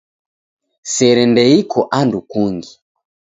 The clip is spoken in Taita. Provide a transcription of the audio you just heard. Sere ndeiko andu kungi.